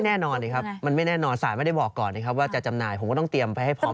แน่นอนสิครับมันไม่แน่นอนสารไม่ได้บอกก่อนนะครับว่าจะจำหน่ายผมก็ต้องเตรียมไปให้พร้อม